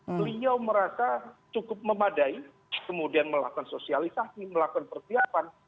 beliau merasa cukup memadai kemudian melakukan sosialisasi melakukan persiapan